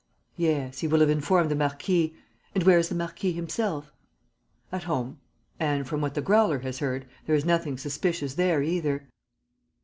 "Yes, he will have informed the marquis. And where is the marquis himself?" "At home. And, from what the Growler has heard, there is nothing suspicious there either."